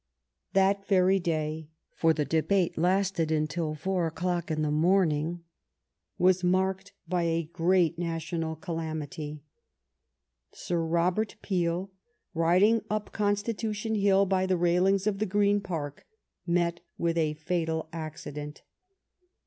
That very day — for the debate lasted until four o'clock in the morning — was marked by a great national calamity. Sir Robert Peel, rid ing up Constitution Hill by the railings of the Green Park, met with a fatal accident.